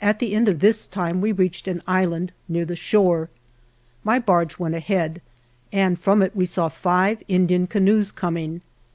At the end of this time we reached an island near the shore. My barge went ahead, and from it we saw five Indian canoes coming.